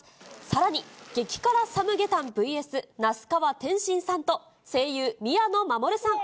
さらに、激辛サムゲタンＶＳ那須川天心さんと、声優、宮野真守さん。